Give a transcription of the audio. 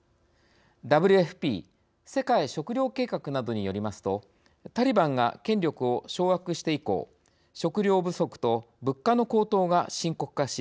ＷＦＰ・世界食糧計画などによりますとタリバンが権力を掌握して以降食料不足と物価の高騰が深刻化し